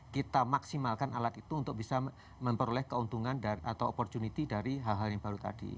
kita maksimalkan alat itu untuk bisa memperoleh keuntungan atau opportunity dari hal hal yang baru tadi